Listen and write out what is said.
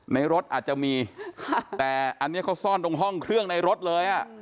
ในรถอาจจะมีค่ะแต่อันนี้เขาซ่อนตรงห้องเครื่องในรถเลยอ่ะ